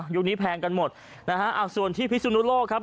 ยุคนี้แพงกันหมดนะฮะส่วนที่พิสุนุโลกครับ